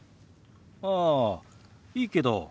ああいいけど。